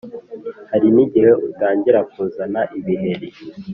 Hari nigihe utangira kuzana ibiheri